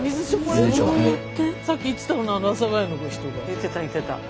言ってた言ってた。